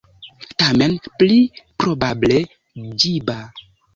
Tamen, pli probable, ĝiba.